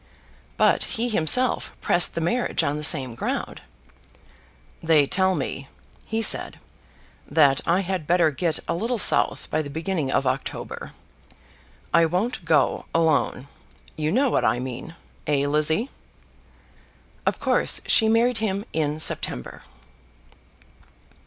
But he himself pressed the marriage on the same ground. "They tell me," he said, "that I had better get a little south by the beginning of October. I won't go alone. You know what I mean; eh, Lizzie?" Of course she married him in September.